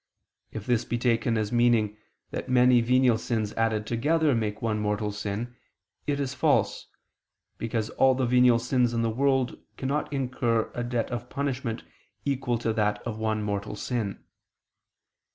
If this be taken as meaning that many venial sins added together make one mortal sin, it is false, because all the venial sins in the world cannot incur a debt of punishment equal to that of one mortal sin.